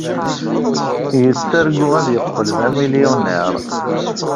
Yettargu ad yeqqel d amilyuniṛ.